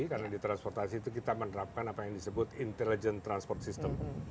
karena di transportasi itu kita menerapkan apa yang disebut intelligent transport system